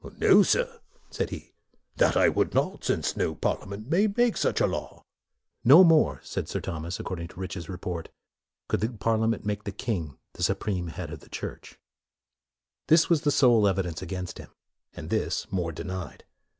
" No, sir," said he, " that would I not, since no Parliament may make any such law." " No more," said Sir Thomas, according to Rich's report, " could the Parliament make the king the supreme head of the Church." 50 MORE This was the sole evidence against him, and this More denied.